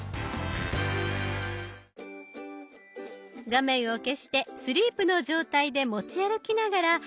画面を消してスリープの状態で持ち歩きながらしばらく散策。